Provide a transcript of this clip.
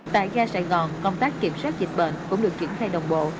tại ga sài gòn công tác kiểm soát dịch bệnh cũng được triển khai đồng bộ